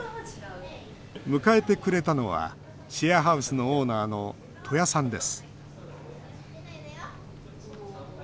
迎えてくれたのはシェアハウスのオーナーの戸谷さんです